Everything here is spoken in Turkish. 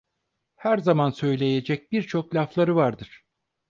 Her zaman söyleyecek birçok lafları vardır.